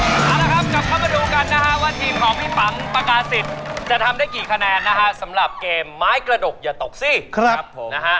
เอาละครับกลับเข้าไปดูกันนะฮะว่าทีมของพี่ปัง